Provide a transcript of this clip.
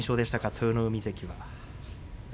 豊ノ海関は。